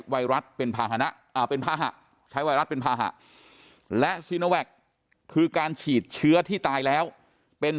ไวรัสเป็นภาหะและซีโนแวคคือการฉีดเชื้อที่ตายแล้วเป็น